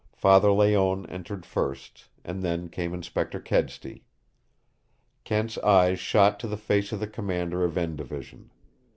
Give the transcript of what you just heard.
Father Layonne entered first, and then came Inspector Kedsty. Kent's eyes shot to the face of the commander of N Division.